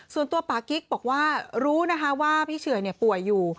ส่วนตัวปากิ๊กบอกว่ารู้นะคะว่าพี่เฉยป่วยอยู่